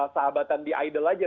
sahabatan di idol aja